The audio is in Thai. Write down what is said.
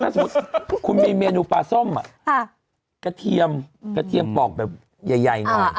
ถ้าสมมุติคุณมีเมนูปลาส้มกระเทียมปลอกแบบใหญ่